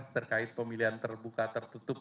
terkait pemilihan terbuka tertutup